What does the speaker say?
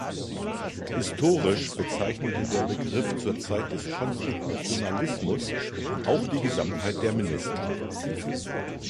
Historisch bezeichnete der Begriff zur Zeit des Konstitutionalismus auch die Gesamtheit der Minister.